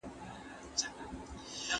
دوهم زوى سو را دمخه ويل پلاره